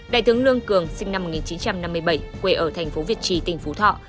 đại tướng lương cường sinh năm một nghìn chín trăm năm mươi bảy quê ở thành phố việt trì tỉnh phú thọ